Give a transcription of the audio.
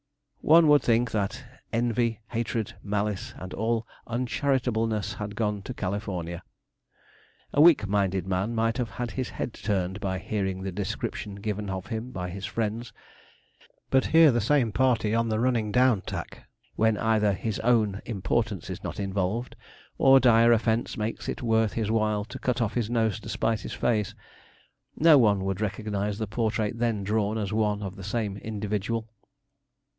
One would think that 'envy, hatred, malice, and all uncharitableness' had gone to California. A weak minded man might have his head turned by hearing the description given of him by his friends. But hear the same party on the running down tack! when either his own importance is not involved, or dire offence makes it worth his while 'to cut off his nose to spite his face.' No one would recognize the portrait then drawn as one of the same individual.